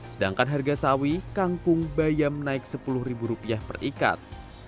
sedangkan harga sawi kangkung bayam naik sepuluh ribu rupiah per ikat